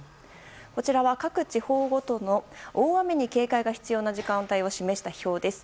こちらは各地方ごとの大雨に警戒が必要な時間帯を示した表です。